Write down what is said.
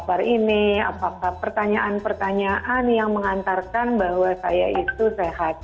apa apa ini apakah pertanyaan pertanyaan yang mengantarkan bahwa saya itu sehat